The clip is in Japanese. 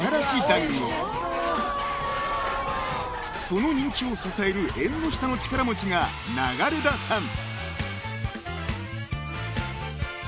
［その人気を支える縁の下の力持ちが流田さん］